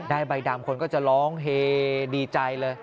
ใบดำคนก็จะร้องเฮดีใจเลย